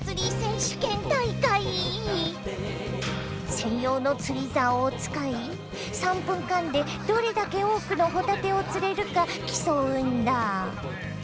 専用の釣りざおを使い３分間でどれだけ多くのホタテを釣れるか競うんだ！